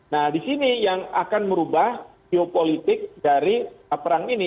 nah di sini yang akan merubah geopolitik dari perang ini